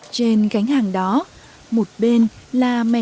trên cánh hàng đó một bên là mẹ sát